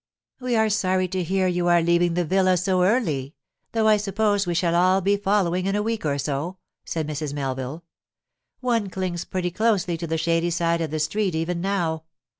'We are sorry to hear you are leaving the villa so early, though I suppose we shall all be following in a week or so,' said Mrs. Melville. 'One clings pretty closely to the shady side of the street even now.